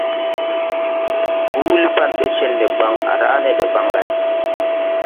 Huuli pan ɓɛ cèn debaŋ, à ràa ne debaŋ lay.